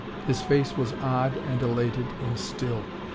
His face was odd and elated and still.